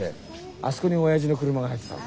あそこに親父の車が入ってたの。